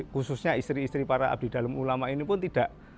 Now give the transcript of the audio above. khususnya istri istri para abdi dalam ulama ini pun tidak